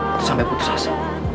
jangan sampai putus asa